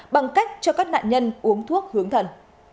bằng cách cho các nạn nhân uống thuốc hướng thần